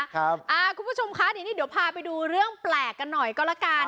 ครับคุณผู้ชมคะนี่เดี๋ยวพาไปดูเรื่องแปลกกันหน่อยก็ละกัน